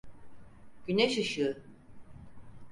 Güneş ışığı.